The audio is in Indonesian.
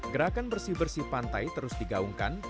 gerakan bersih bersih pantai terus digaungkan